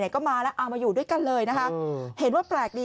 ก็มาแล้วเอามาอยู่ด้วยกันเลยนะคะเห็นว่าแปลกดี